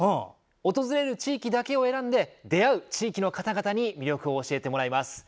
訪れる地域だけを選んで出会う地域の方々に魅力を教えてもらいます。